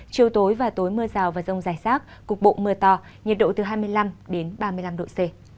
chiều tối và tối mưa rào và rông giải sát cục bộ mưa to nhiệt độ từ hai mươi năm ba mươi năm độ c